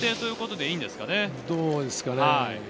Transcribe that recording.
どうですかね？